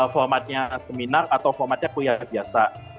formatnya seminar atau formatnya kuliah biasa